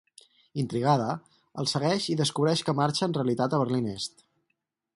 Intrigada, el segueix i descobreix que marxa en realitat a Berlín Est.